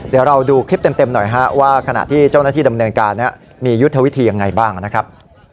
เดี๋ยวเราดูคลิปเต็มหน่อยฮะว่าขณะที่เจ้าหน้าที่ดำเนินการมียุทธวิธียังไงบ้างนะครับ